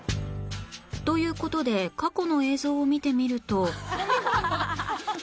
という事で過去の映像を見てみると